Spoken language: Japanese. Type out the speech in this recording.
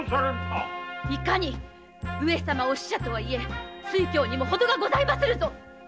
いかに上様御使者とはいえ酔狂にもほどがございまするぞ！